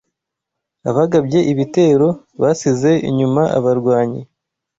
Abagabye igitero basize inyuma abarwanyi